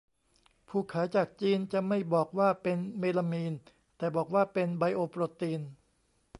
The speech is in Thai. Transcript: ผู้ขายจากจีน จะไม่บอกว่าเป็นเมลามีน แต่บอกว่าเป็นไบโอโปรตีน